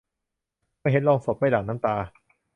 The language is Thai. ไม่เห็นโลงศพ ไม่หลั่งน้ำตา